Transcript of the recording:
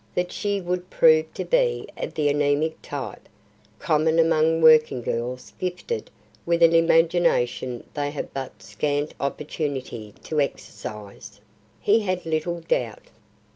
That she would prove to be of the anemic type, common among working girls gifted with an imagination they have but scant opportunity to exercise, he had little doubt.